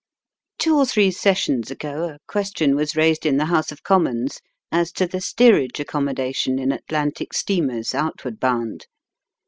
Two or three Sessions ago a question was raised in the House of Commons as to the steerage accommodation in Atlantic steamers outward bound.